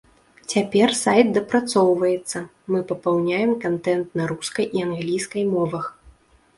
Цяпер сайт дапрацоўваецца, мы папаўняем кантэнт на рускай і англійскай мовах.